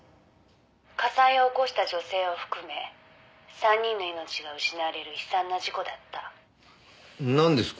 「火災を起こした女性を含め３人の命が失われる悲惨な事故だった」なんです？